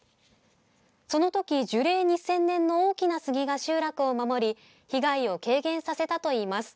その時、樹齢２０００年の大きな杉が集落を守り被害を軽減させたといいます。